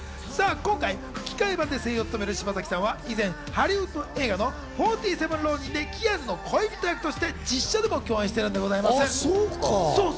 今回、吹替版で声優を務める柴咲さんは以前、ハリウッド映画『４７ＲＯＮＩＮ』でキアヌの恋人役として実写でも共演しているんでございます。